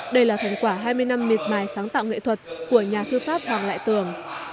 đây là thành quả hai mươi năm miệt mài sáng tạo nghệ thuật của nhà thư pháp hoàng lại tường